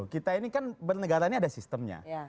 kita ini kan bernegara ini ada sistemnya